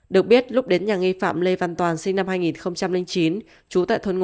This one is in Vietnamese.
được biết lúc đến nhà nghi phạm lê văn toàn sinh năm hai nghìn chín